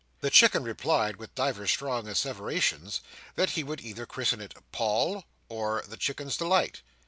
The Chicken replied, with divers strong asseverations, that he would either christen it Poll or The Chicken's Delight.